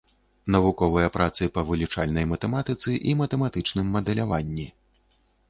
Навуковыя працы па вылічальнай матэматыцы і матэматычным мадэляванні.